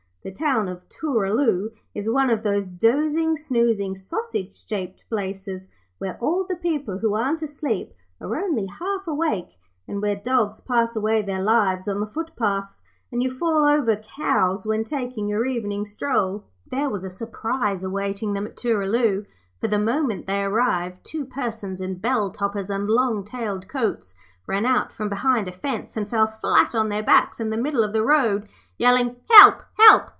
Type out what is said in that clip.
The town of Tooraloo is one of those dozing, snoozing, sausage shaped places where all the people who aren't asleep are only half awake, and where dogs pass away their lives on the footpaths, and you fall over cows when taking your evening stroll. There was a surprise awaiting them at Tooraloo, for the moment they arrived two persons in bell toppers and long tailed coats ran out from behind a fence and fell flat on their backs in the middle of the road, yelling 'Help, help!